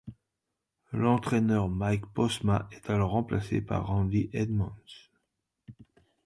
L'entraîneur Mike Posma est alors remplacé par Randy Edmonds.